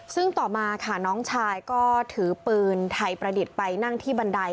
ซึ่งต่อมาค่ะน้องชายก็ถือปืนไทยประดิษฐ์ไปนั่งที่บันได